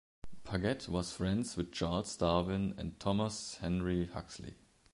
Paget was friends with Charles Darwin and Thomas Henry Huxley.